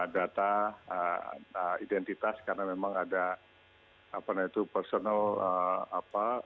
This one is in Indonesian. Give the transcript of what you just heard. data dan identitas karena memang ada titik yang berbeda dan i spot psychokinesis yang sekaligus tidak ada di dua puluh tujuh ermiah ini